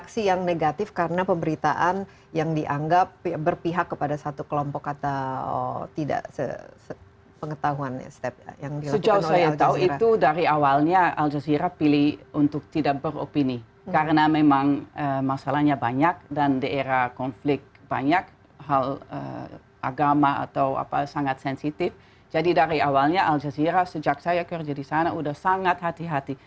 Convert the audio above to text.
sebenarnya al jazeera sejak saya kerja di sana sudah sangat hati hati